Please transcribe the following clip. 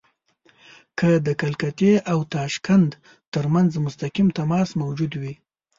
که د کلکتې او تاشکند ترمنځ مستقیم تماس موجود وي.